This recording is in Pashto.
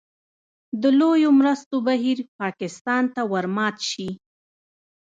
د لویو مرستو بهیر پاکستان ته ورمات شي.